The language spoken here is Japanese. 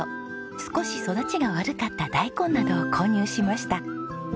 少し育ちが悪かった大根などを購入しました。